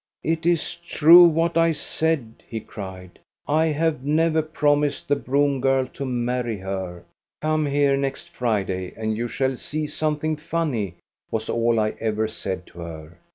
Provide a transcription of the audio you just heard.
" It is true what I said, " he cried. " I have never promised the broom girl to marry her. ' Come here next Friday, and you shall see something funny!' was all I ever said to her.